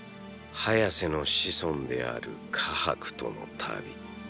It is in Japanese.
ハヤセの子孫であるカハクとの旅。